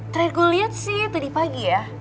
terakhir gue liat sih tadi pagi ya